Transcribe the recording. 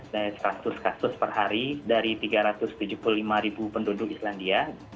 dari kasus kasus per hari dari tiga ratus tujuh puluh lima ribu penduduk islandia